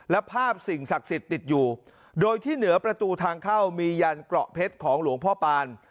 และภาพสิ่งศักดิ์สิทธิ์ติดอยู่โดยที่เหนือประตูทางเข้ามียันเกราะเพชรของหลวงพ่อปาน